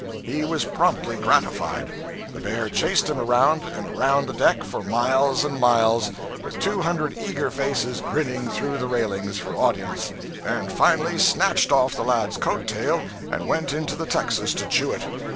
He was promptly gratified. The bear chased him around and around the deck, for miles and miles, with two hundred eager faces grinning through the railings for audience, and finally snatched off the lad's coat tail and went into the texas to chew it.